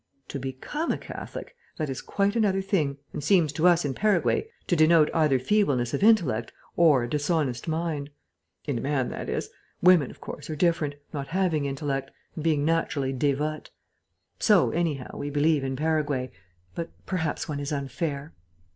To become a Catholic that is quite another thing, and seems to us in Paraguay to denote either feebleness of intellect or a dishonest mind. In a man, that is. Women, of course, are different, not having intellect, and being naturally dévotes. So, anyhow, we believe in Paraguay. But perhaps one is unfair."